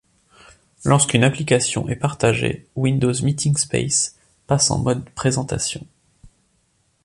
Lorsqu'une application est partagée, Windows Meeeting Space passe en mode présentation.